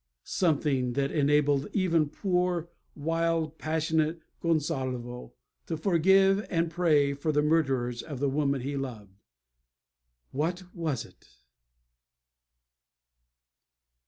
Something that enabled even poor, wild, passionate Gonsalvo to forgive and pray for the murderers of the woman he loved. What was it?